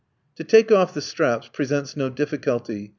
To take off the straps presents no difficulty.